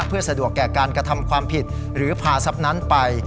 เพื่อสะดวกแก่การกระทำความผิดหรือพาทรัพย์นั้นไป